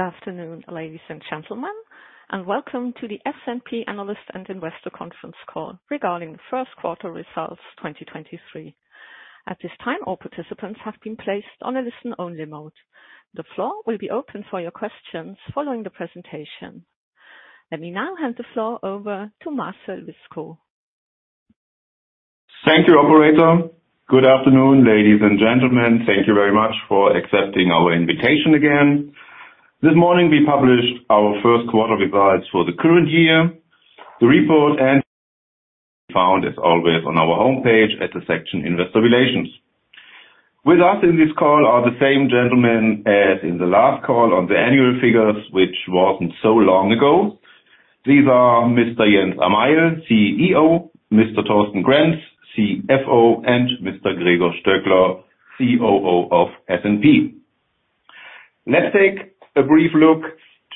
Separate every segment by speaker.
Speaker 1: Good afternoon, ladies and gentlemen, and welcome to the SNP Analyst and Investor Conference Call regarding the first quarter results 2023. At this time, all participants have been placed on a listen-only mode. The floor will be open for your questions following the presentation. Let me now hand the floor over to Marcel Wiskow.
Speaker 2: Thank you, operator. Good afternoon, ladies and gentlemen. Thank you very much for accepting our invitation again. This morning, we published our first quarter results for the current year. The report and found is always on our homepage at the section Investor Relations. With us in this call are the same gentlemen as in the last call on the annual figures, which wasn't so long ago. These are Mr. Jens Amail, CEO, Mr. Thorsten Grenz, CFO, and Mr. Gregor Stöckler, COO of SNP. Let's take a brief look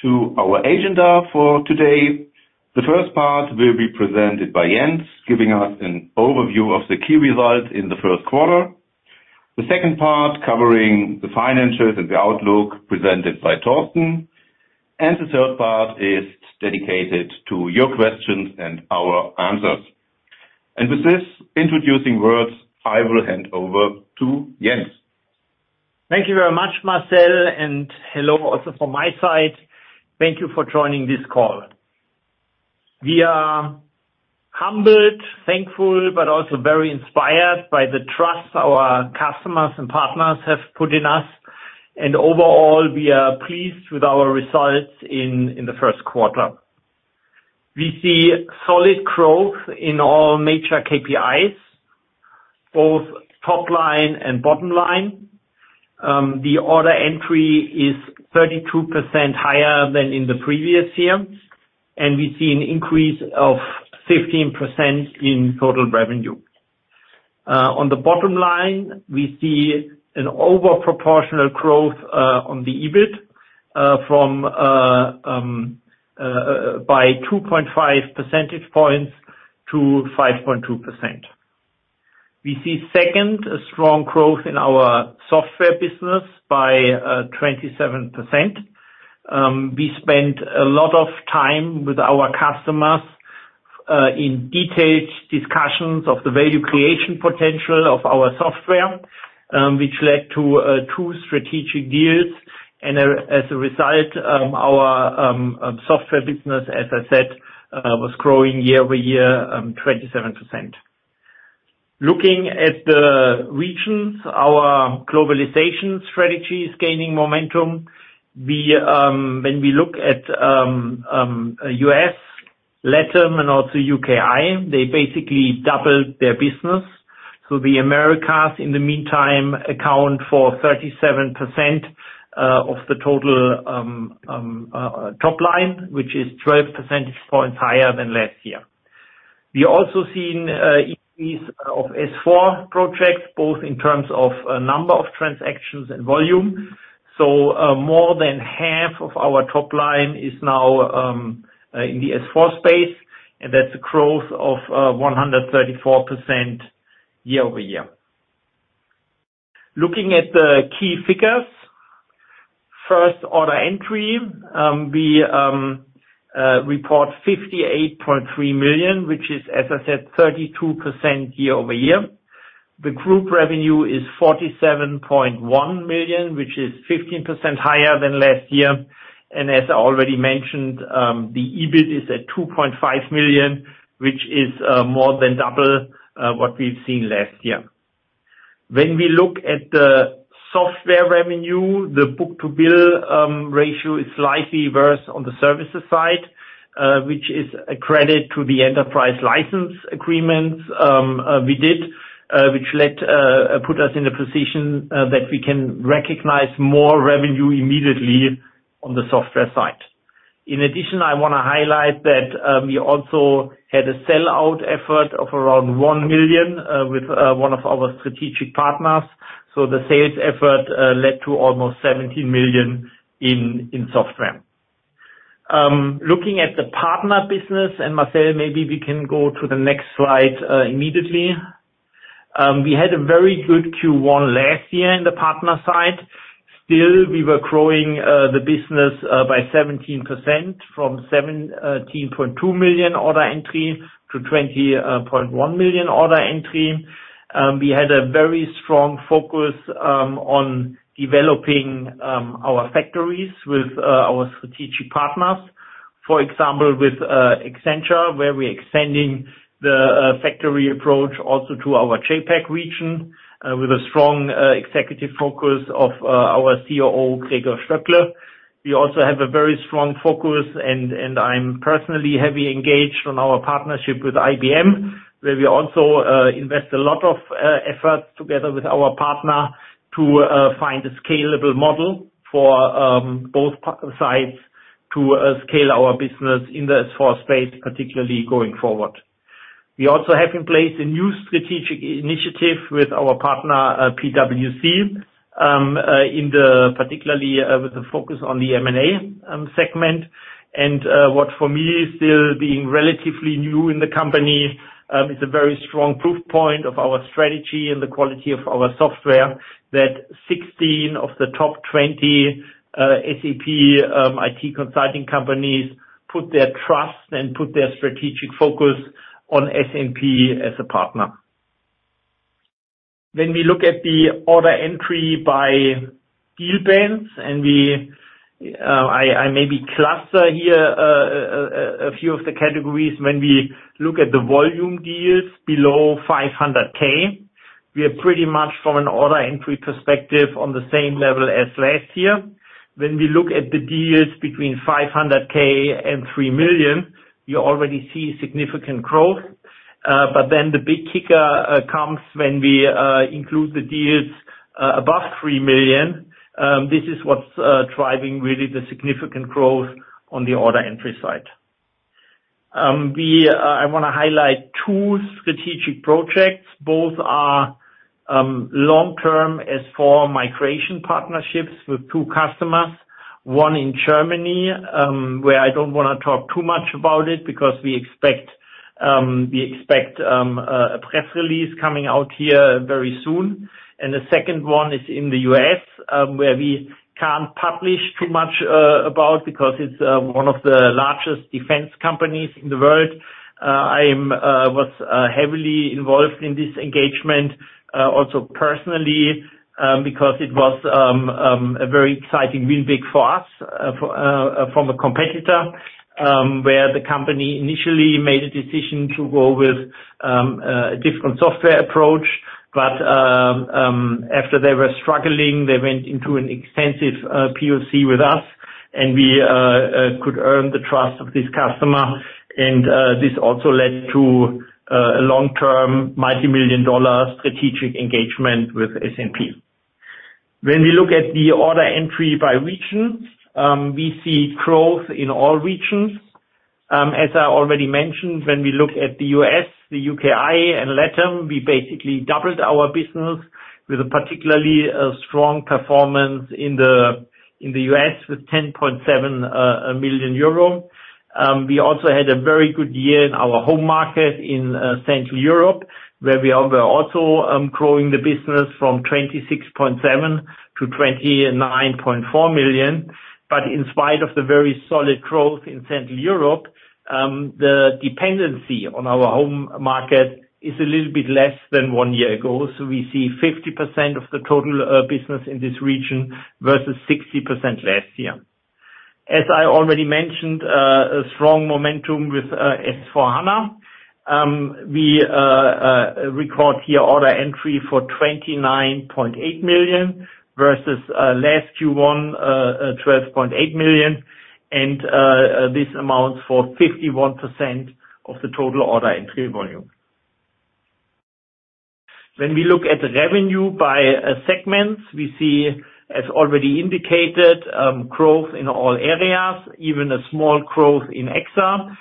Speaker 2: to our agenda for today. The first part will be presented by Jens, giving us an overview of the key results in the first quarter. The second part covering the financials and the outlook presented by Torsten, the third part is dedicated to your questions and our answers. With this introducing words, I will hand over to Jens.
Speaker 3: Thank you very much, Marcel. Hello also from my side. Thank you for joining this call. We are humbled, thankful, also very inspired by the trust our customers and partners have put in us. Overall, we are pleased with our results in the first quarter. We see solid growth in all major KPIs, both top line and bottom line. The order entry is 32% higher than in the previous year. We see an increase of 15% in total revenue. On the bottom line, we see an over proportional growth on the EBIT by 2.5 percentage points to 5.2%. We see second, a strong growth in our software business by 27%. We spent a lot of time with our customers in detailed discussions of the value creation potential of our software, which led to two strategic deals. As a result, our software business, as I said, was growing year-over-year 27%. Looking at the regions, our globalization strategy is gaining momentum. When we look at U.S., LATAM, and also UKI, they basically doubled their business. The Americas, in the meantime, account for 37% of the total top line, which is 12 percentage points higher than last year. We also seen increase of S/4 projects, both in terms of number of transactions and volume. More than half of our top line is now in the S/4 space, and that's a growth of 134% year-over-year. Looking at the key figures, first order entry, we report 58.3 million, which is, as I said, 32% year-over-year. The group revenue is 47.1 million, which is 15% higher than last year. As already mentioned, the EBIT is at 2.5 million, which is more than double what we've seen last year. When we look at the software revenue, the book-to-bill ratio is slightly worse on the services side, which is a credit to the enterprise license agreements we did, which put us in a position that we can recognize more revenue immediately on the software side. In addition, I wanna highlight that, we also had a sell-out effort of around 1 million, with one of our strategic partners. The sales effort led to almost 17 million in software. Looking at the partner business, Marcel, maybe we can go to the next slide, immediately. We had a very good Q1 last year in the partner side. We were growing the business by 17% from 17.2 million order entry to 20.1 million order entry. We had a very strong focus on developing our factories with our strategic partners. With Accenture, where we're extending the factory approach also to our JAPAC region, with a strong executive focus of our COO, Gregor Stöckler. We also have a very strong focus and I'm personally heavily engaged on our partnership with IBM, where we also invest a lot of efforts together with our partner to find a scalable model for both sides to scale our business in the S/4 space, particularly going forward. We also have in place a new strategic initiative with our partner, PwC, in the particularly with the focus on the M&A segment. What for me is still being relatively new in the company, is a very strong proof point of our strategy and the quality of our software that 16 of the top 20 SAP IT consulting companies put their trust and put their strategic focus on SNP as a partner. When we look at the order entry by deal bands, I maybe cluster here a few of the categories. When we look at the volume deals below 500K, we are pretty much from an order entry perspective on the same level as last year. When we look at the deals between 500K and 3 million, you already see significant growth. The big kicker comes when we include the deals above 3 million. This is what's driving really the significant growth on the order entry side. I wanna highlight two strategic projects. Both are long-term. As for migration partnerships with two customers, one in Germany, where I don't wanna talk too much about it because we expect a press release coming out here very soon. The second one is in the U.S., where we can't publish too much about because it's one of the largest defense companies in the world. I was heavily involved in this engagement, also personally, because it was a very exciting win big for us from a competitor, where the company initially made a decision to go with a different software approach. After they were struggling, they went into an extensive POC with us, and we could earn the trust of this customer. This also led to a long-term $ multi-million strategic engagement with SNP. When we look at the order entry by region, we see growth in all regions. As I already mentioned, when we look at the U.S., the UKI and LATAM, we basically doubled our business with a particularly strong performance in the U.S. with 10.7 million euro. We also had a very good year in our home market in Central Europe, where we are also growing the business from 26.7 million to 29.4 million. In spite of the very solid growth in Central Europe, the dependency on our home market is a little bit less than one year ago. We see 50% of the total business in this region versus 60% last year. As I already mentioned, a strong momentum with S/4HANA. We record here order entry for 29.8 million, versus last Q1, 12.8 million. This amounts for 51% of the total order entry volume. When we look at revenue by segments, we see, as already indicated, growth in all areas, even a small growth in EXA.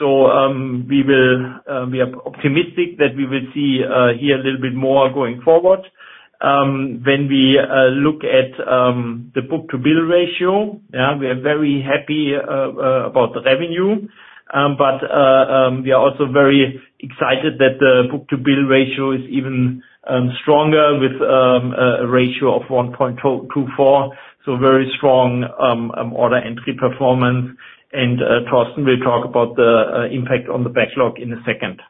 Speaker 3: We will, we are optimistic that we will see here a little bit more going forward. When we look at the book-to-bill ratio, yeah, we are very happy about the revenue. We are also very excited that the book-to-bill ratio is even stronger with a ratio of 1.24. Very strong order entry performance. Thorsten will talk about the impact on the backlog in a second.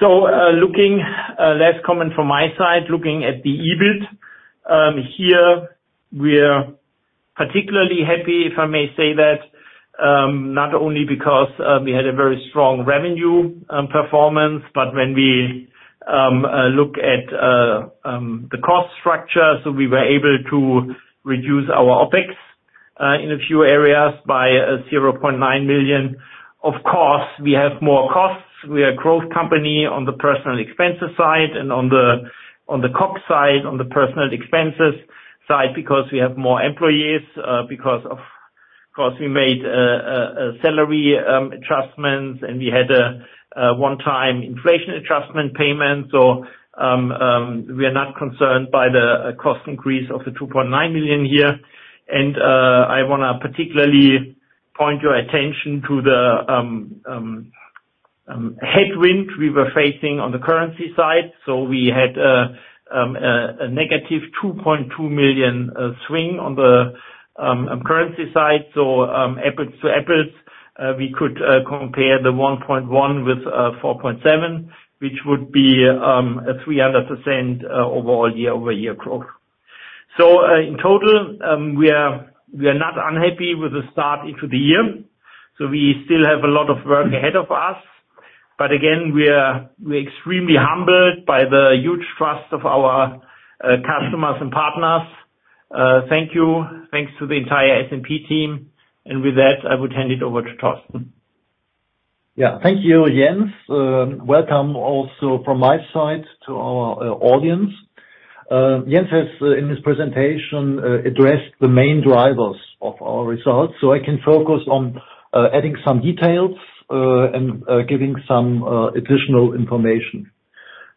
Speaker 3: Looking less common from my side, looking at the EBIT, here we're particularly happy, if I may say that, not only because we had a very strong revenue performance, but when we look at the cost structure, we were able to reduce our OpEx in a few areas by 0.9 million. Of course, we have more costs. We are a growth company on the personal expenses side and on the COGS side, on the personal expenses side, because we have more employees, because of course, we made salary adjustments, and we had a one-time inflation adjustment payment. We are not concerned by the cost increase of 2.9 million here. I wanna particularly point your attention to the headwind we were facing on the currency side. We had a negative 2.2 million swing on the currency side. Apples to apples, we could compare 1.1 with 4.7, which would be a 300% overall year-over-year growth. In total, we are not unhappy with the start into the year, so we still have a lot of work ahead of us. Again, we're extremely humbled by the huge trust of our customers and partners. Thank you. Thanks to the entire SNP team. With that, I would hand it over to Thorsten.
Speaker 4: Yeah. Thank you, Jens. Welcome also from my side to our audience. Jens has in his presentation addressed the main drivers of our results. I can focus on adding some details and giving some additional information.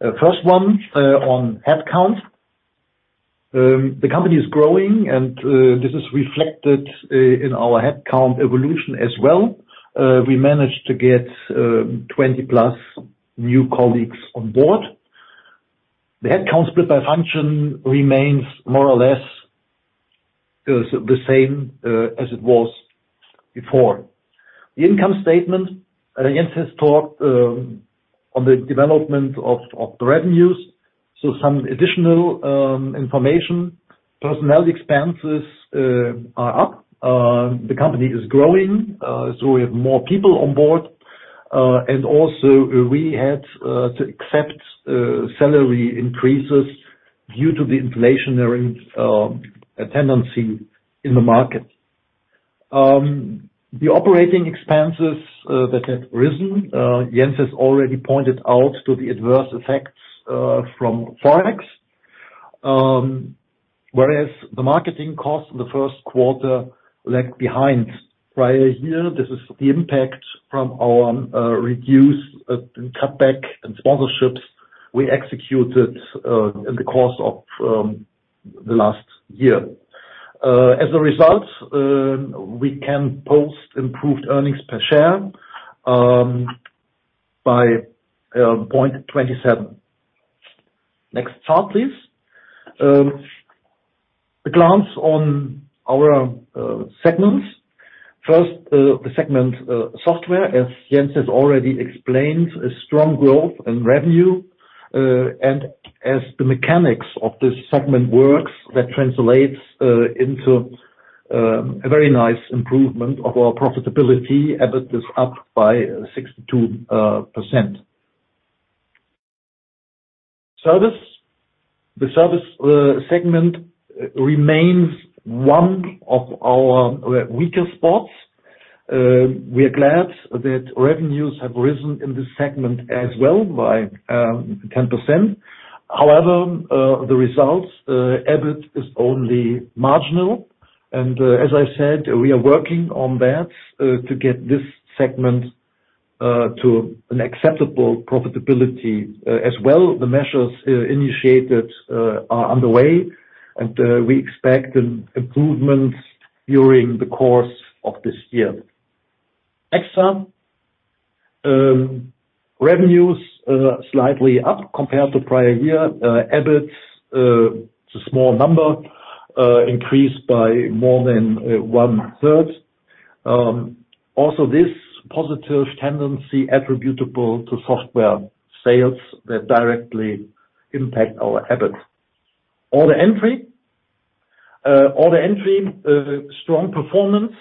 Speaker 4: First one on headcount. The company is growing, and this is reflected in our headcount evolution as well. We managed to get 20+ new colleagues on board. The headcount split by function remains more or less the same as it was before. The income statement, Jens has talked on the development of the revenues, some additional information. Personnel expenses are up. The company is growing, we have more people on board. We had to accept salary increases due to the inflationary tendency in the market. The operating expenses that have risen, Jens Amail has already pointed out to the adverse effects from Forex. The marketing costs in the first quarter lagged behind prior year. This is the impact from our reduced and cutback in sponsorships we executed in the course of the last year. We can post improved earnings per share by 0.27. Next chart, please. A glance on our segments. First, the segment software. As Jens Amail has already explained, a strong growth in revenue. As the mechanics of this segment works, that translates into a very nice improvement of our profitability. EBIT is up by 62%. Service. The service segment remains one of our weaker spots. We are glad that revenues have risen in this segment as well by 10%. The results, EBIT, is only marginal, and as I said, we are working on that to get this segment to an acceptable profitability as well. The measures initiated are underway, and we expect an improvements during the course of this year. EXA. Revenues slightly up compared to prior year. EBIT, it's a small number, increased by more than 1/3. Also this positive tendency attributable to software sales that directly impact our EBIT. Order entry. Order entry strong performance.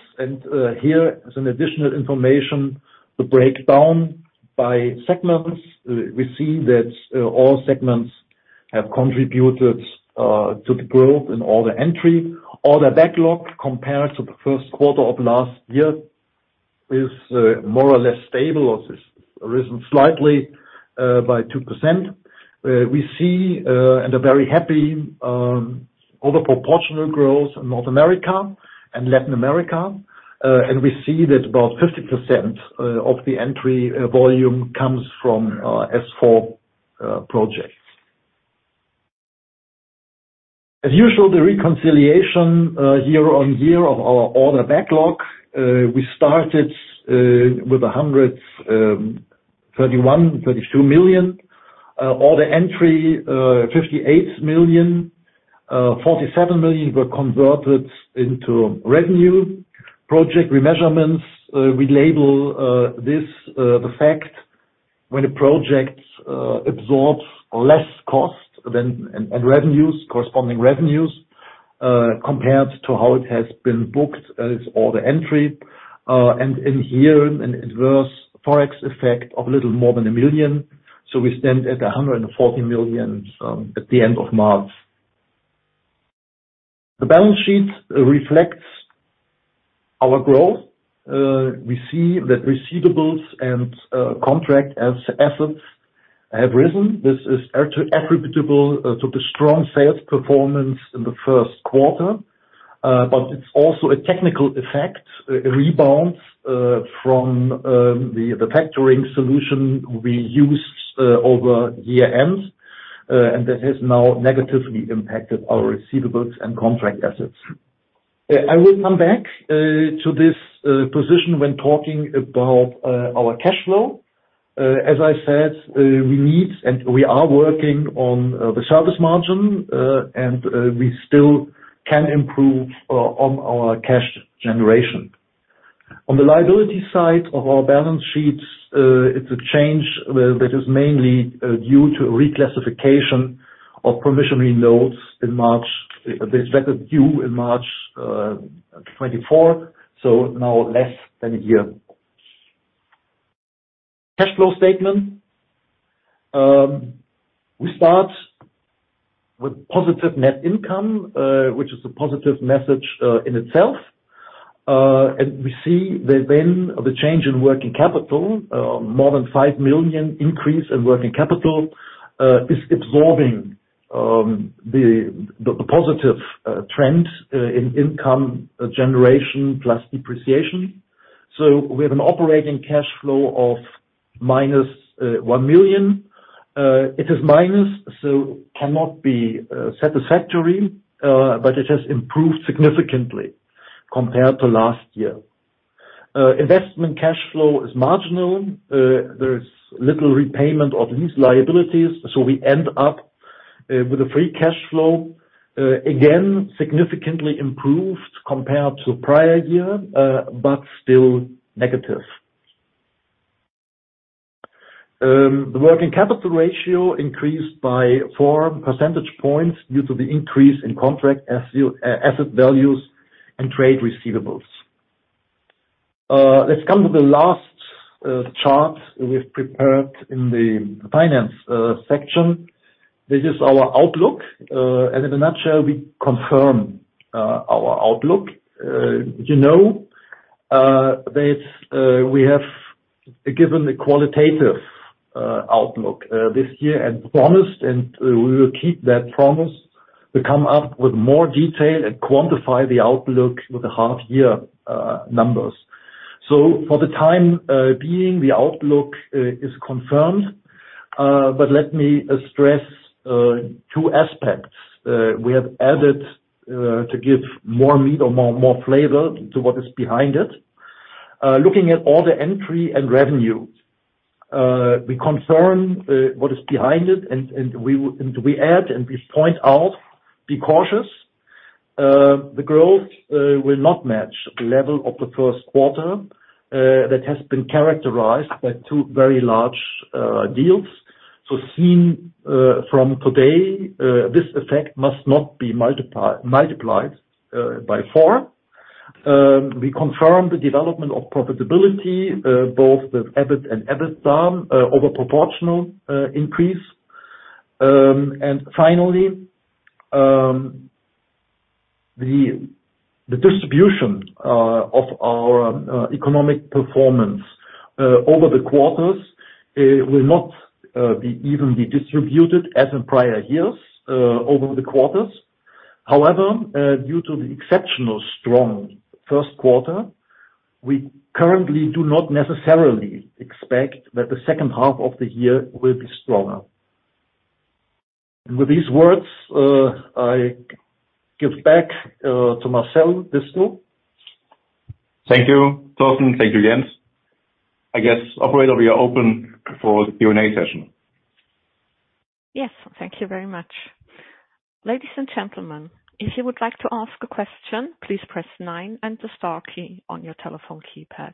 Speaker 4: Here is an additional information, the breakdown by segments. We see that all segments have contributed to the growth in order entry. Order backlog compared to the first quarter of last year is more or less stable or has risen slightly by 2%. We see and are very happy over proportional growth in North America and Latin America. We see that about 50% of the entry volume comes from S/4 projects. As usual, the reconciliation year-on-year of our order backlog, we started with 131 million-132 million. Order entry, 58 million. 47 million were converted into revenue. Project remeasurements, we label this the fact when a project absorbs less cost than and revenues, corresponding revenues, compared to how it has been booked as order entry. In here an adverse Forex effect of little more than 1 million. We stand at 140 million at the end of March. The balance sheet reflects our growth. We see that receivables and contract assets have risen. This is attributable to the strong sales performance in the first quarter. It's also a technical effect, a rebound from the factoring solution we used over year-end. That has now negatively impacted our receivables and contract assets. I will come back to this position when talking about our cash flow. As I said, we need and we are working on the service margin, and we still can improve on our cash generation. On the liability side of our balance sheets, it's a change that is mainly due to reclassification of promissory notes in March. That's better due in March 2024, so now less than a year. Cash flow statement. We start with positive net income, which is a positive message in itself. We see that then the change in working capital, more than 5 million increase in working capital, is absorbing the positive trend in income generation plus depreciation. We have an operating cash flow of -1 million. It is minus, so cannot be satisfactory, but it has improved significantly compared to last year. Investment cash flow is marginal. There's little repayment of these liabilities, so we end up with a free cash flow again, significantly improved compared to prior year, but still negative. The working capital ratio increased by four percentage points due to the increase in contract asset values and trade receivables. Let's come to the last chart we've prepared in the finance section. This is our outlook. In a nutshell, we confirm our outlook. You know that we have given a qualitative outlook this year and promised, and we will keep that promise to come up with more detail and quantify the outlook with the half year numbers. For the time being, the outlook is confirmed, but let me stress two aspects we have added to give more meat or more flavor to what is behind it. Looking at order entry and revenue, we confirm what is behind it, and we add, and we point out, be cautious. The growth will not match the level of the first quarter that has been characterized by two very large deals. Seen from today, this effect must not be multiplied by four. We confirm the development of profitability, both with EBIT and EBITDA, over proportional increase. Finally, the distribution of our economic performance over the quarters will not be evenly distributed as in prior years over the quarters. However, due to the exceptional strong first quarter, we currently do not necessarily expect that the second half of the year will be stronger. With these words, I give back to Marcel Wiskow.
Speaker 2: Thank you, Thorsten. Thank you, Jens. I guess, operator, we are open for the Q&A session.
Speaker 1: Yes. Thank you very much. Ladies and gentlemen, if you would like to ask a question, please press nine and the star key on your telephone keypad.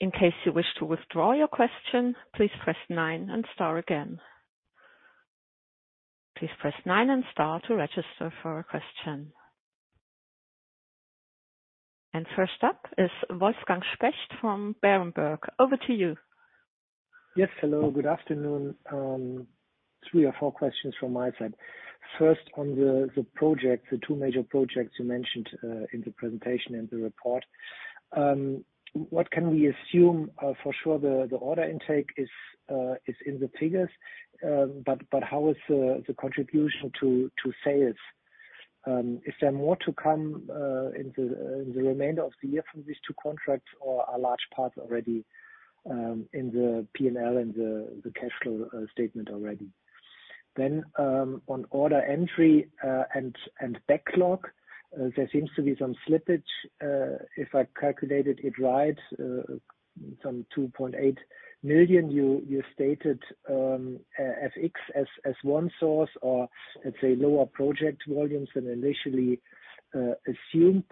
Speaker 1: In case you wish to withdraw your question, please press nine and star again. Please press nine and star to register for a question. First up is Wolfgang Specht from Berenberg. Over to you.
Speaker 5: Yes. Hello, good afternoon. Three or four questions from my side. First, on the project, the two major projects you mentioned in the presentation and the report. What can we assume, for sure the order intake is in the figures, but how is the contribution to sales? Is there more to come in the remainder of the year from these two contracts or a large part already in the P&L and the cash flow statement already? On order entry and backlog, there seems to be some slippage, if I calculated it right, some 2.8 million. You stated FX as one source or let's say lower project volumes than initially assumed.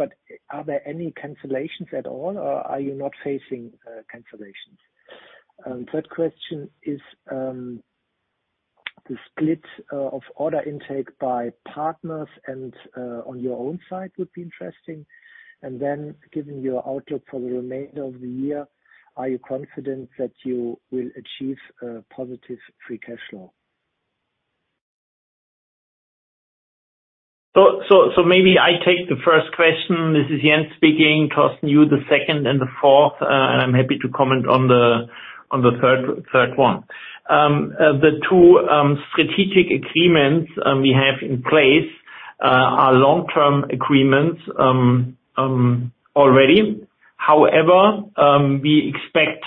Speaker 5: Are there any cancellations at all or are you not facing cancellations? Third question is, the split of order intake by partners and on your own side would be interesting. Given your outlook for the remainder of the year, are you confident that you will achieve a positive free cash flow?
Speaker 3: Maybe I take the first question. This is Jens speaking. Thorsten, you the second and the fourth, I'm happy to comment on the third one. The two strategic agreements we have in place are long-term agreements already. We expect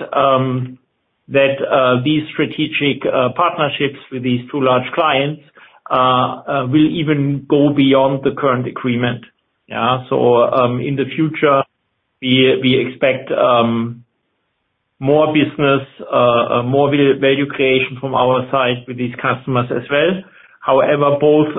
Speaker 3: that these strategic partnerships with these two large clients will even go beyond the current agreement. In the future, we expect more business, more value creation from our side with these customers as well. Both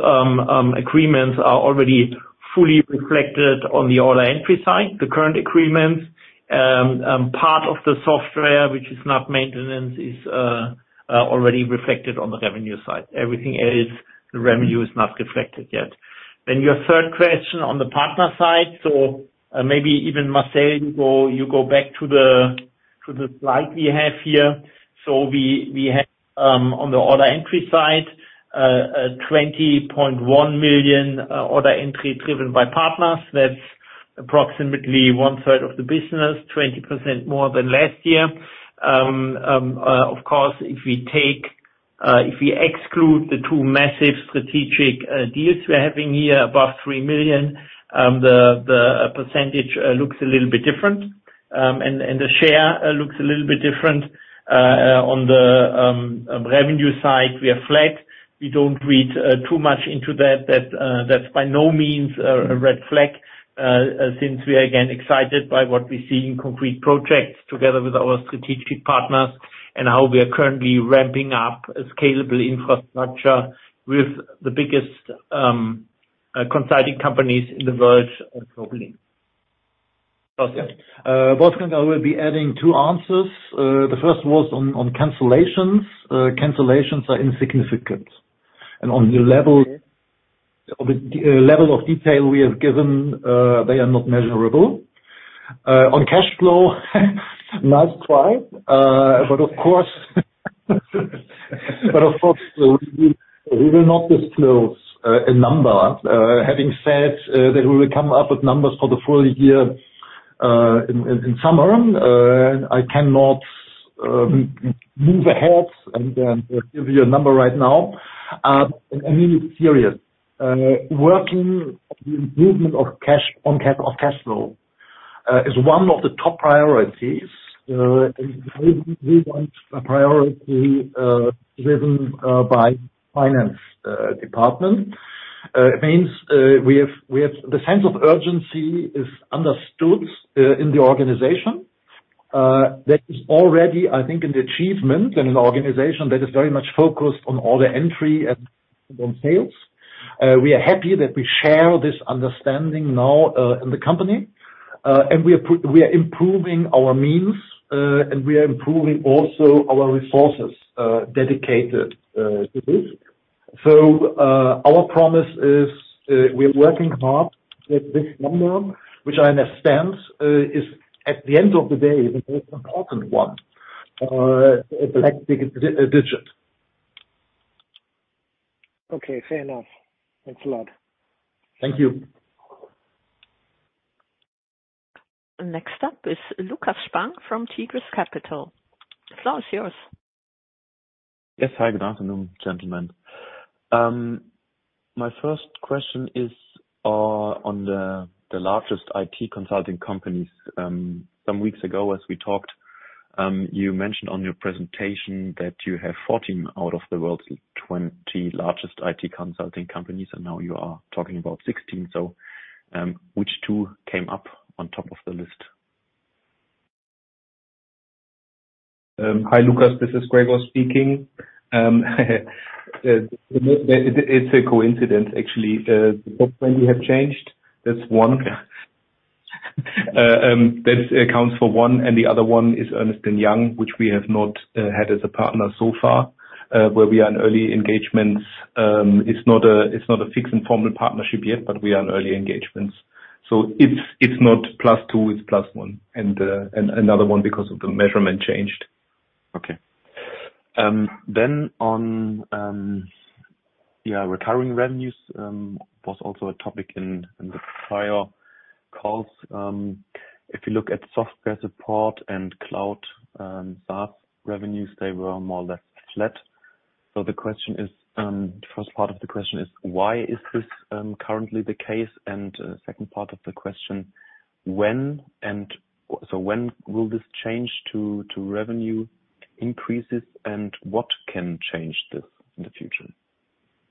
Speaker 3: agreements are already fully reflected on the order entry side. The current agreements, part of the software which is not maintenance is already reflected on the revenue side. Everything else, the revenue is not reflected yet. Your third question on the partner side. Maybe even Marcel, you go back to the slide we have here. We have on the order entry side 20.1 million order entry driven by partners. That's approximately one third of the business, 20% more than last year. Of course, if we take If you exclude the two massive strategic deals we are having here above 3 million, the percentage looks a little bit different, and the share looks a little bit different. On the revenue side, we are flat. We don't read too much into that. That's by no means a red flag since we are again excited by what we see in concrete projects together with our strategic partners and how we are currently ramping up a scalable infrastructure with the biggest consulting companies in the world globally.
Speaker 4: Okay. Wolfgang, I will be adding two answers. The first was on cancellations. Cancellations are insignificant. On the level, the level of detail we have given, they are not measurable. On cash flow, nice try. Of course, we will not disclose a number. Having said that we will come up with numbers for the full year in summer, I cannot move ahead and give you a number right now. I mean it serious. Working the movement of cash on cash, on cash flow is one of the top priorities. And we want a priority driven by finance department. It means we have the sense of urgency is understood in the organization. That is already, I think, an achievement in an organization that is very much focused on order entry and on sales. We are happy that we share this understanding now in the company. We are improving our means and we are improving also our resources dedicated to this. Our promise is, we are working hard with this number, which I understand is, at the end of the day, the most important one, like dig-digit.
Speaker 5: Okay, fair enough. Thanks a lot.
Speaker 4: Thank you.
Speaker 1: Next up is Lukas Spang from Tigris Capital. The floor is yours.
Speaker 6: Yes. Hi, good afternoon, gentlemen. My first question is on the largest IT consulting companies. Some weeks ago, as we talked, you mentioned on your presentation that you have 14 out of the world's 20 largest IT consulting companies, and now you are talking about 16. Which two came up on top of the list?
Speaker 7: Hi, Lukas. This is Gregor speaking. It's a coincidence, actually. The top 10 we have changed. That's one.
Speaker 6: Okay.
Speaker 7: That accounts for one. The other one is Ernst & Young, which we have not had as a partner so far, where we are in early engagements. It's not a, it's not a fixed and formal partnership yet, but we are in early engagements. It's, it's not plus plus, it's plus one. Another one because of the measurement changed.
Speaker 6: Okay. Then on, yeah, recurring revenues, was also a topic in the prior calls. If you look at software support and cloud, SaaS revenues, they were more or less flat. The question is, the first part of the question is why is this currently the case? The second part of the question, when, and, so when will this change to revenue increases, and what can change this in the future?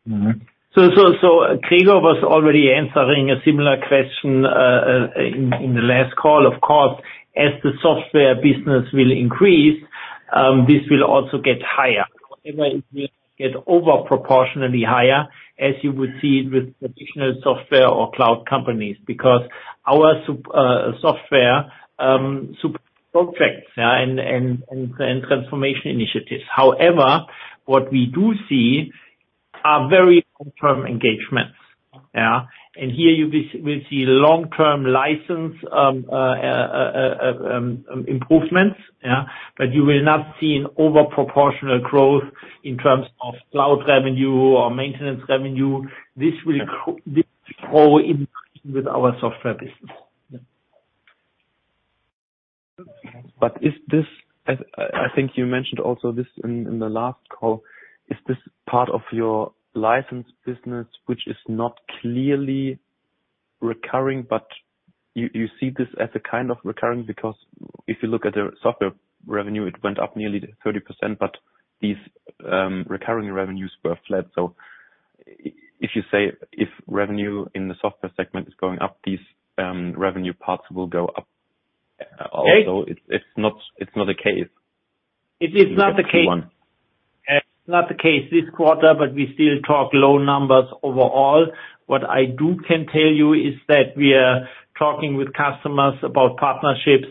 Speaker 3: Mm-hmm. Gregor was already answering a similar question in the last call. Of course, as the software business will increase, this will also get higher. However, it will get over proportionally higher as you would see with traditional software or cloud companies. Because our software supports projects, yeah, and transformation initiatives. However, what we do see are very long-term engagements. Yeah. Here you will see long-term license improvements. Yeah. You will not see an over proportional growth in terms of cloud revenue or maintenance revenue. This will grow in with our software business.
Speaker 6: Is this, as I think you mentioned also this in the last call, is this part of your license business, which is not clearly recurring, but you see this as a kind of recurring? If you look at the software revenue, it went up nearly 30%, but these recurring revenues were flat. If you say if revenue in the software segment is going up, these revenue parts will go up also?
Speaker 4: It-
Speaker 6: It's not, it's not the case.
Speaker 4: It is not the case.
Speaker 6: Just to be clear on.
Speaker 3: It's not the case this quarter. We still talk low numbers overall. What I do can tell you is that we are talking with customers about partnerships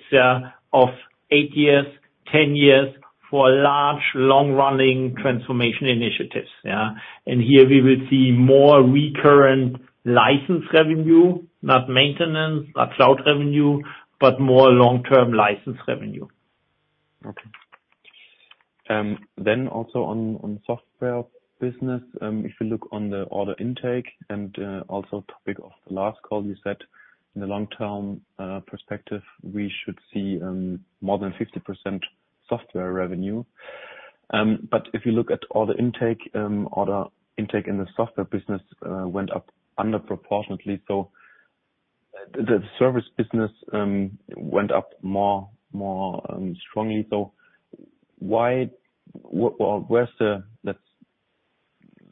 Speaker 3: of eight years, 10 years for large, long-running transformation initiatives. Here we will see more recurrent license revenue, not maintenance, not cloud revenue, but more long-term license revenue.
Speaker 6: Okay. Also on software business, if you look on the order intake, and also topic of the last call, you said in the long term perspective, we should see more than 50% software revenue. If you look at all the intake, order intake in the software business went up under proportionately. The service business went up more strongly. Why where's the?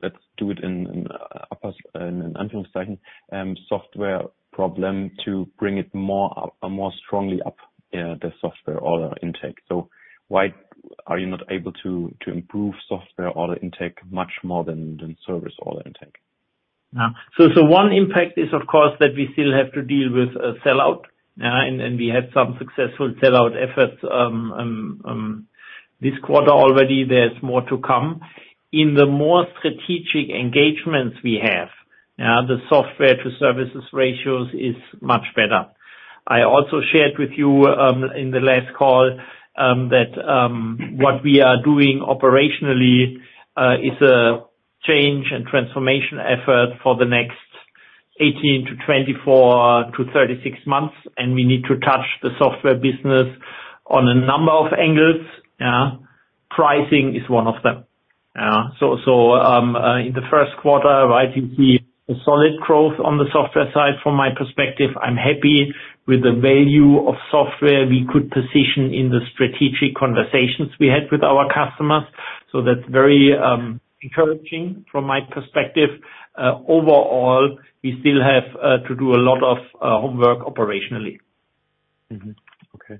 Speaker 6: Let's do it in upper, in an inaudible, software problem to bring it more up, more strongly up, yeah, the software order intake. Why are you not able to improve software order intake much more than service order intake?
Speaker 3: One impact is, of course, that we still have to deal with a sell-out, yeah, we had some successful sell-out efforts this quarter already. There's more to come. In the more strategic engagements we have, yeah, the software to services ratios is much better. I also shared with you in the last call that what we are doing operationally is a change and transformation effort for the next 18-24-36 months. We need to touch the software business on a number of angles, yeah. Pricing is one of them. In the first quarter, right, you see a solid growth on the software side from my perspective. I'm happy with the value of software we could position in the strategic conversations we had with our customers. That's very encouraging from my perspective. Overall, we still have to do a lot of homework operationally.
Speaker 6: Okay.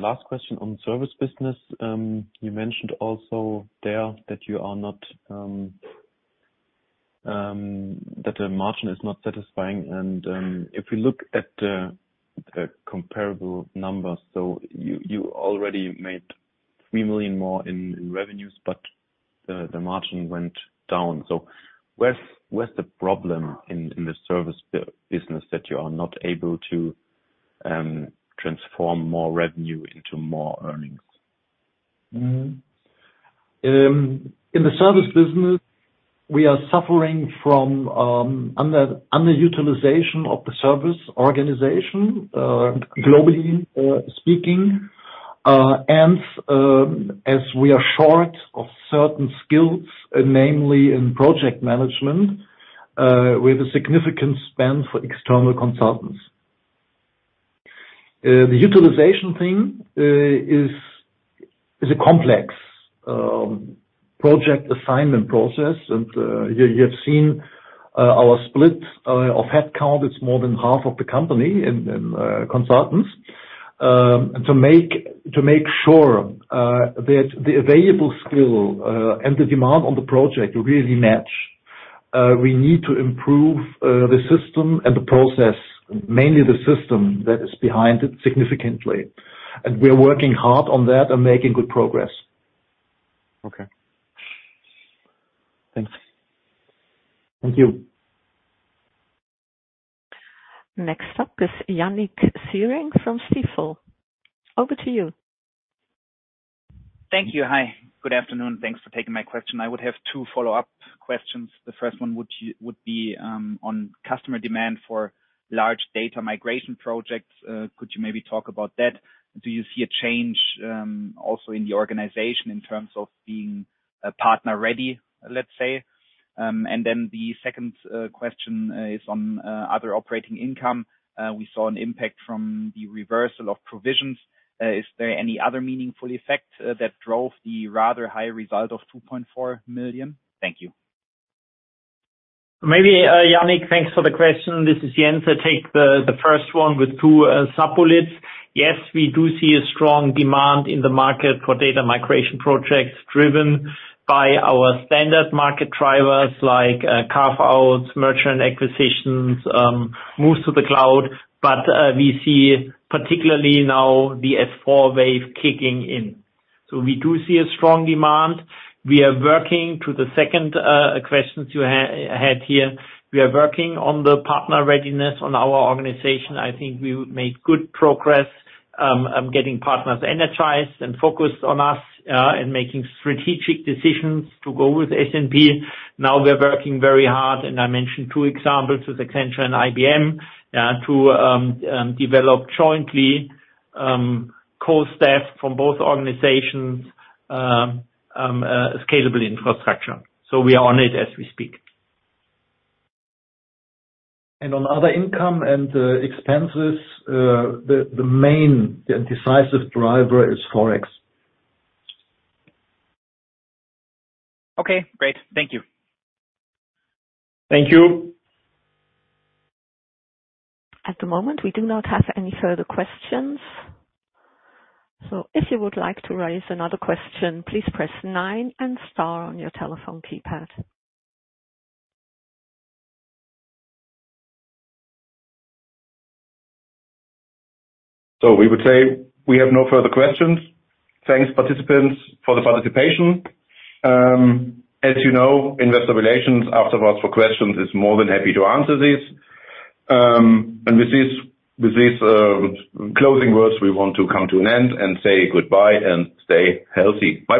Speaker 6: Last question on service business. You mentioned also there that you are not that the margin is not satisfying. If we look at the comparable numbers, you already made 3 million more in revenues, but the margin went down. Where's the problem in the service business that you are not able to transform more revenue into more earnings?
Speaker 4: In the service business, we are suffering from underutilization of the service organization, globally speaking. As we are short of certain skills, namely in project management, we have a significant spend for external consultants. The utilization thing is a complex project assignment process. You have seen our split of headcount. It's more than half of the company in consultants. To make sure that the available skill and the demand on the project really match, we need to improve the system and the process, mainly the system that is behind it significantly. We are working hard on that and making good progress.
Speaker 6: Okay. Thanks.
Speaker 3: Thank you.
Speaker 1: Next up is Yannik Siering from Stifel. Over to you.
Speaker 8: Thank you. Hi, good afternoon. Thanks for taking my question. I would have two follow-up questions. The first one would be on customer demand for large data migration projects. Could you maybe talk about that? Do you see a change also in the organization in terms of being a partner ready, let's say? Then the second question is on other operating income. We saw an impact from the reversal of provisions. Is there any other meaningful effect that drove the rather high result of 2.4 million? Thank you.
Speaker 3: Maybe, Yannik, thanks for the question. This is Jens Amail. I take the first one with two sub-bullets. Yes, we do see a strong demand in the market for data migration projects driven by our standard market drivers like, merchant acquisitions, moves to the cloud. We see particularly now the S/4 wave kicking in. We do see a strong demand. We are working to the secondnd questions you had here. We are working on the partner readiness on our organization. I think we made good progress getting partners energized and focused on us and making strategic decisions to go with SNP. Now we're working very hard, and I mentioned two examples with Accenture and IBM to develop jointly core staff from both organizations scalable infrastructure. We are on it as we speak.
Speaker 4: On other income and expenses, the main decisive driver is Forex.
Speaker 8: Okay, great. Thank you.
Speaker 4: Thank you.
Speaker 1: At the moment, we do not have any further questions. If you would like to raise another question, please press nine and star on your telephone keypad.
Speaker 2: We would say we have no further questions. Thanks participants for the participation. As you know, investor relations afterwards for questions is more than happy to answer these. With these closing words, we want to come to an end and say goodbye and stay healthy. Bye-bye.